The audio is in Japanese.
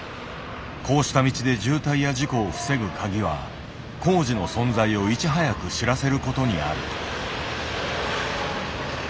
こうした道で渋滞や事故を防ぐ鍵は工事の存在をいち早く知らせることにある。